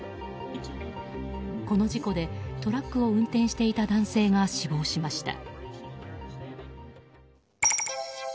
この事故でトラックを運転していた男性が死亡しました。